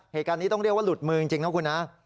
เหตุการณ์นี้ต้องเรียกว่าหลุดมือจริงนะคุณนะ